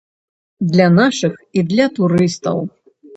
Для нашых і для турыстаў.